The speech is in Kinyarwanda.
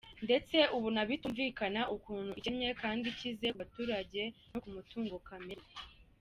Ndetse ubona bitumvikana ukuntu ikennye kandi ikize ku baturage no ku mutungo kamere.